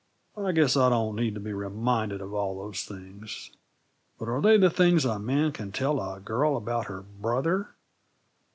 "I guess I don't need to be reminded of all those things. But are they the things a man can tell a girl about her brother?